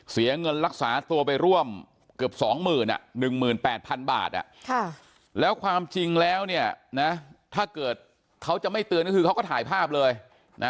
เสียเงินรักษาตัวไปร่วมเกือบ๒๑๘๐๐๐บาทแล้วความจริงแล้วเนี่ยนะถ้าเกิดเขาจะไม่เตือนก็คือเขาก็ถ่ายภาพเลยนะ